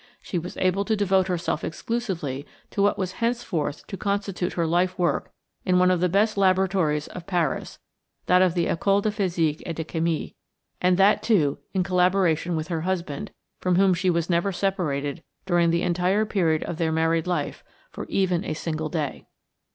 She was able to devote herself exclusively to what was henceforth to constitute her life work in one of the best laboratories of Paris, that of the École de Physique et de Chimie, and that, too, in collaboration with her husband, from whom she was never separated during the entire period of their married life for even a single day.